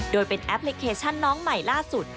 โดยเป็นแอปพลิเคชันน้องใหม่ล่าสุด